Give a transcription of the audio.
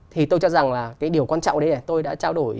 thì tôi cho rằng là cái điều quan trọng đấy là tôi đã trao đổi